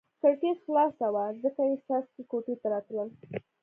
کړکۍ خلاصه وه ځکه یې څاڅکي کوټې ته راتلل.